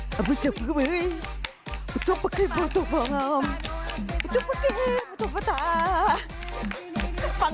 สวัสดีค่ะรู้ก่อนร้อนหนาวกับดาวสุภาษามาแล้วค่ะ